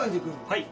はい。